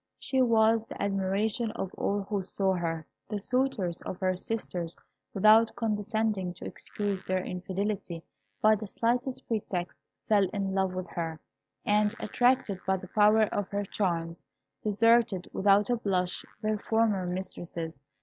She was the admiration of all who saw her. The suitors to her sisters, without condescending to excuse their infidelity by the slightest pretext, fell in love with her, and attracted by the power of her charms, deserted, without a blush, their former mistresses.